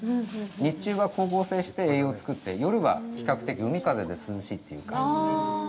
日中は光合成して栄養つくって夜は比較的、海風で涼しいっていうか。